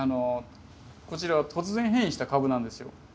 こちらは突然変異した株なんですよ。